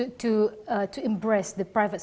untuk memperbaiki sektor pribadi